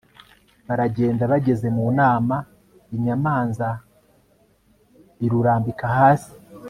baragenda bageze mu nama, inyamanza irurambika hasi